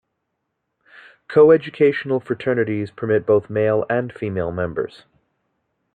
Coeducational fraternities permit both male and female members.